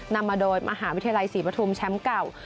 นำมาโดยมหาวิทยาลัยศรีปฐุมแชมป์เก่า